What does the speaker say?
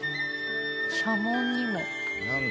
社紋にも。